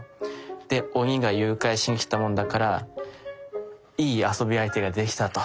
で鬼が誘拐しにきたものだからいい遊び相手ができたと。